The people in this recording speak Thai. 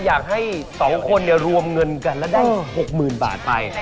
อยากให้๒คนรวมเงินกันและได้๖๐๐๐บาทไป